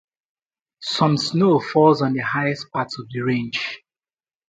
Some snow falls on the highest parts of the range.